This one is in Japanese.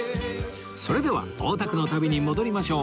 それでは大田区の旅に戻りましょう